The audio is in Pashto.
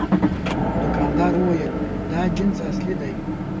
دوکاندار وویل دا جنس اصل دی.